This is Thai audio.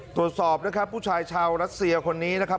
ตรวจสอบนะครับผู้ชายชาวรัสเซียคนนี้นะครับ